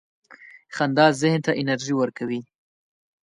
• خندا ذهن ته انرژي ورکوي.